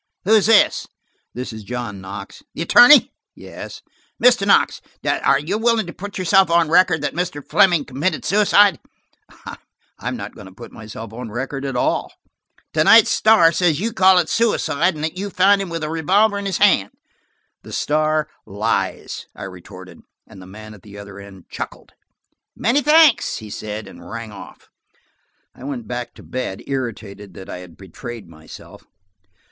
"Who is this?" "This is John Knox." "The attorney?" "Yes." "Mr. Knox, are you willing to put yourself on record that Mr. Fleming committed suicide?" "I am not going to put myself on record at all." "To night's Star says you call it suicide, and that you found him with the revolver in his hand." "The Star lies!" I retorted, and the man at the other end chuckled. "Many thanks," he said, and rang off. I went back to bed, irritated that I had betrayed myself.